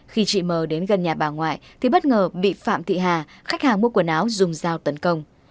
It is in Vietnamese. khi chị m đến gần nhà bà ngoại thì bất ngờ bị phạm thị hà khách hàng mua quần áo dùng dao tấn công